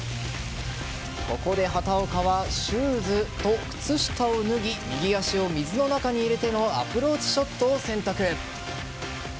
ここで畑岡はシューズと靴下を脱ぎ右足を水の中に入れてのアプローチショットを選択。